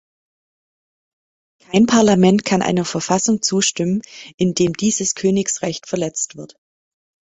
Kein Parlament kann einer Verfassung zustimmen, in dem dieses Königsrecht verletzt wird.